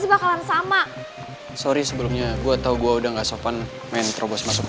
ih kok malah bella sih yang diajak sama roman